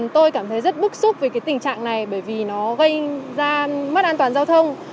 tôi cảm thấy rất bức xúc về cái tình trạng này bởi vì nó gây ra mất an toàn giao thông